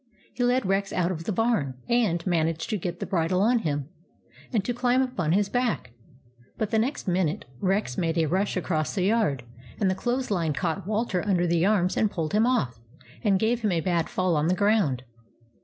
He led Rex out of the barn, and WALTER AND THE GOAT 79 managed to get the bridle on him, and to climb up on his back ; but the next minute Rex made a rush across the yard, and the clothes line caught Walter under the arms and pulled him off, and gave him a bad fall on the ground.